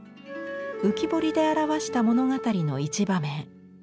浮き彫りで表した物語の一場面。